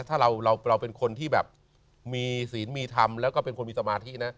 ถ้าเราเป็นคนที่แบบมีศีลมีธรรมแล้วก็เป็นคนมีสมาธินะ